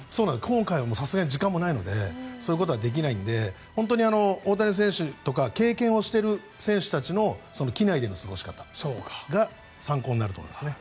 今回はさすがに時間もないのでそういうことはできないので本当に大谷選手とか経験をしている選手たちの機内での過ごし方が参考になると思いますね。